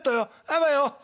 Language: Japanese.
あばよ。